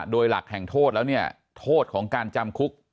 โดยหลักแห่งโทษแล้วเนี่ยโทษของการจำคุก